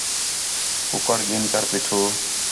کُکڑ گِھن کر پیٹھو